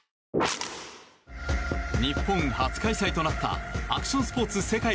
日本初開催となったアクションスポーツ世界